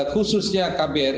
khususnya kbs world